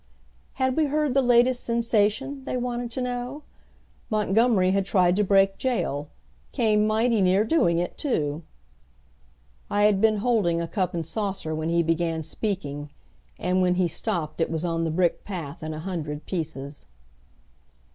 Had we heard the latest sensation, they wanted to know? Montgomery had tried to break jail. Came mighty near doing it, too! I had been holding a cup and saucer when he began speaking, and when he stopped it was on the brick path in a hundred pieces.